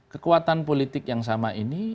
kekuatan politik yang sama ini